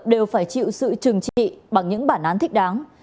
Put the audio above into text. đều phải chịu sự trừng trị bằng những bản án thích đáng